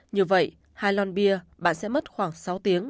như vậy hai lon bia bà sẽ mất khoảng sáu tiếng